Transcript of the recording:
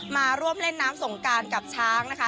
มาร่วมเล่นน้ำสงการกับช้างนะคะ